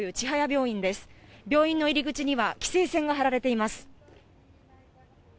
病院の入り口には規制線が張られています。